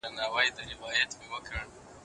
د رنځونو ورته مخ صورت پمن سو